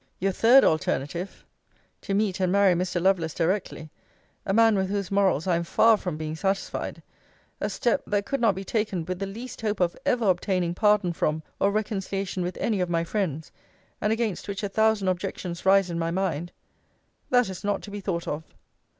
Your third alternative, to meet and marry Mr. Lovelace directly; a man with whose morals I am far from being satisfied a step, that could not be taken with the least hope of ever obtaining pardon from or reconciliation with any of my friends; and against which a thousand objections rise in my mind that is not to be thought of.